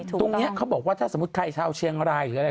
ตรงนี้เขาบอกว่าถ้าสมมุติใครชาวเชียงรายหรืออะไร